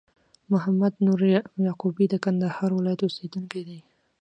محمد نور یعقوبی د کندهار ولایت اوسېدونکی دي